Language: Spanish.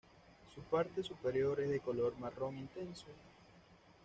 Su parte superior es de color marrón intenso.